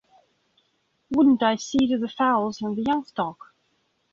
Wouldn’t I see to the fowls and the young stock!